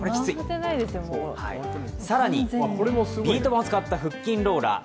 更に、ビート板を使った腹筋ローラー。